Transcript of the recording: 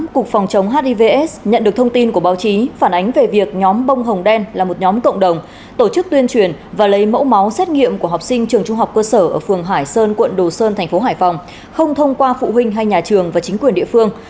cục phòng chống hivs nhận được thông tin của báo chí phản ánh về việc nhóm bông hồng đen là một nhóm cộng đồng tổ chức tuyên truyền và lấy mẫu máu xét nghiệm của học sinh trường trung học cơ sở ở phường hải sơn quận đồ sơn thành phố hải phòng không thông qua phụ huynh hay nhà trường và chính quyền địa phương